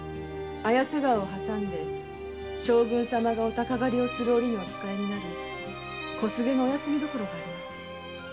川を挟み将軍様がお鷹狩をする折りにお使いになる小菅のお休み所があります。